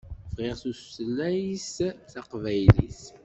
Bɣiɣ tutayt taqbaylit.